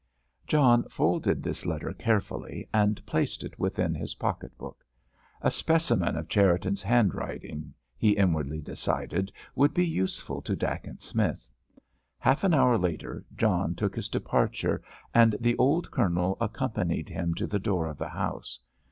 John folded this letter carefully and placed it within his pocket book. A specimen of Cherriton's handwriting, he inwardly decided, would be useful to Dacent Smith. Half an hour later John took his departure, and the old Colonel accompanied him to the door of the house.